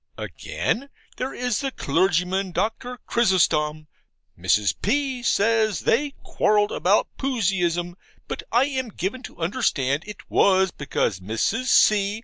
Again, there is the clergyman, Doctor Chrysostom, Mrs. P. says they quarrelled about Puseyism, but I am given to understand it was because Mrs. C.